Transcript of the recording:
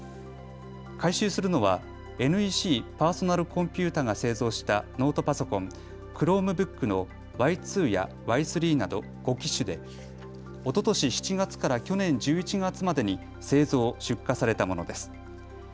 回収するのはＮＥＣパーソナルコンピュータが製造したノートパソコン、ＣｈｒｏｍｅｂｏｏｋのＹ２やＹ３など５機種でおととし７月から去年１１月までに製造、出荷されたものです。